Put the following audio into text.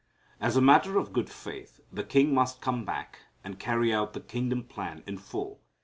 As a matter of good faith the King must come back and carry out the kingdom plan in full.